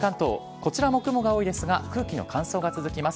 こちらも雲が多いですが、空気の乾燥が続きます。